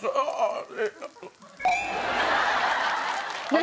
何？